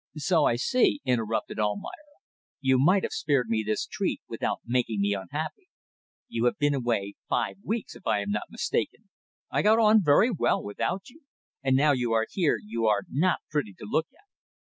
"So I see," interrupted Almayer. "You might have spared me this treat without making me unhappy. You have been away five weeks, if I am not mistaken. I got on very well without you and now you are here you are not pretty to look at."